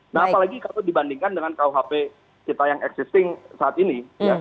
nah apalagi kalau dibandingkan dengan kuhp kita yang existing saat ini